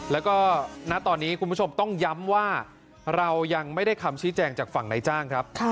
แล้วก็ณตอนนี้คุณผู้ชมต้องย้ำว่าเรายังไม่ได้คำชี้แจงจากฝั่งนายจ้างครับ